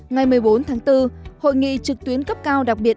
ngày một mươi bốn tháng bốn hội nghị trực tuyến cấp cao đặc biệt